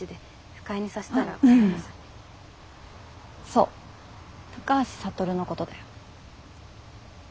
そう高橋羽のことだよ。